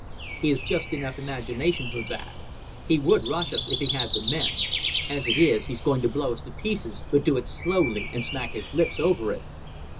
He has just enough imagination for that ... He would rush us if he had the men. As it is, he's going to blow us to pieces, but do it slowly and smack his lips over it."